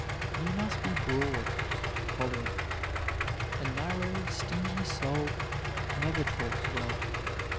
You must be broad, tolerant. A narrow stingy soul never talks well.